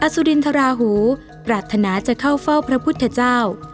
สุรินทราหูปรารถนาจะเข้าเฝ้าพระพุทธเจ้า